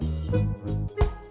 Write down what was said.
ambil sampai gelapan